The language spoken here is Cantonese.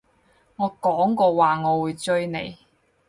我講過話我會追你